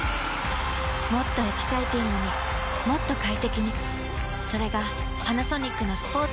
もっとエキサイティングにもっと快適にそれがパナソニックのスポーツソリューション